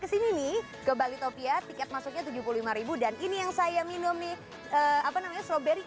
ke sini kebalik topia tiket masuknya tujuh puluh lima dan ini yang saya minum nih apa namanya strawberry